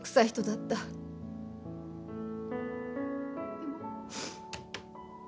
でも。